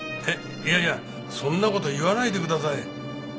いやいやそんな事言わないでください。